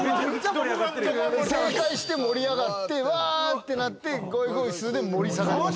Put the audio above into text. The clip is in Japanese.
正解して盛り上がってわーってなってゴイゴイスーで盛り下がりました。